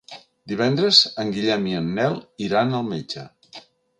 Divendres en Guillem i en Nel iran al metge.